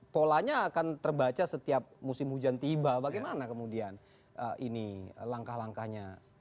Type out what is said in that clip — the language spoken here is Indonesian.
polanya akan terbaca setiap musim hujan tiba bagaimana kemudian ini langkah langkahnya